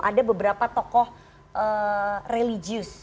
ada beberapa tokoh religius